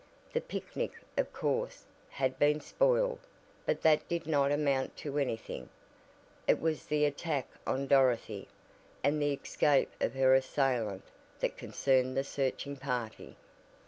The picnic, of course, had been spoiled, but that did not amount to anything it was the attack on Dorothy, and the escape of her assailant that concerned the searching party.